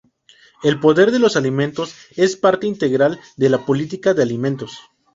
El poder de los alimentos es parte integral de la política de alimentos.